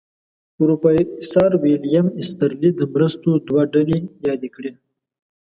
پروفیسر ویلیم ایسټرلي د مرستو دوه ډلې یادې کړې.